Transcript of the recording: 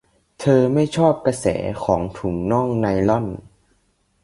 เธอไม่ชอบกระแสของถุงน่องไนลอน